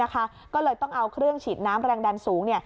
ก็เลยต้องเอาเครื่องฉีดน้ำแรงดันสูง